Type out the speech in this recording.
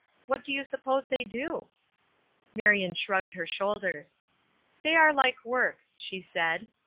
What do you suppose they do?" Marion shrugged her shoulders. "They are like work," she said.